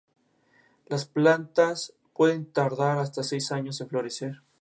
Las plantas pueden tardar hasta seis años en florecer.